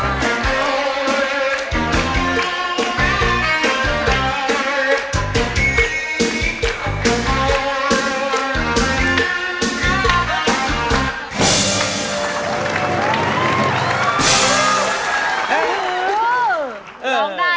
โอ้โฮ